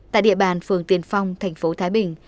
tại địa bàn phường tiền phong tp thái bình